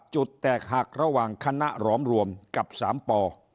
จุดแตกหักระหว่างคณะหลอมรวมกับ๓ป